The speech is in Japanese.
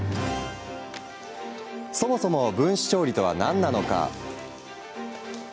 そもそも分子調理とは何なのか？